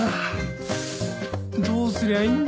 どうすりゃいいんだ。